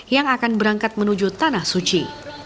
yang akan berangkat menuju tanah suci